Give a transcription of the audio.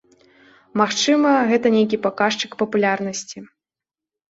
Магчыма, гэта нейкі паказчык папулярнасці.